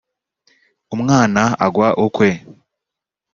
umwana agwa ukwe